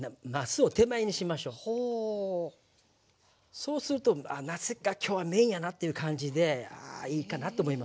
そうするとなすが今日はメインやなっていう感じでいいかなと思います。